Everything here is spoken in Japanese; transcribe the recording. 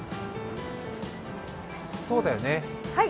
そうだよね。